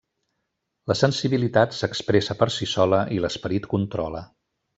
La sensibilitat s'expressa per si sola i l'esperit controla.